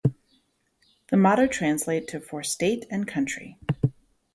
The motto translates to For State and Country.